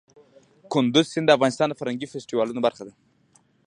کندز سیند د افغانستان د فرهنګي فستیوالونو برخه ده.